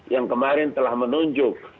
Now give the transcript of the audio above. yang kemarin telah menunjuk